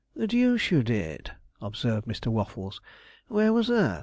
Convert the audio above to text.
'The deuce you did!' observed Mr. Waffles;' where was that?'